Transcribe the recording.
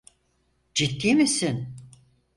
Ciddi misin?